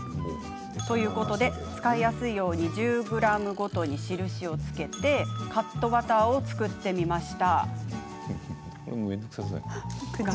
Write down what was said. ということで、使いやすいよう１０ｇごとに印をつけカットバターを作ってみました。